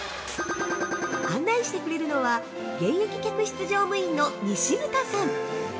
案内してくれるのは現役客室乗務員の西牟さん。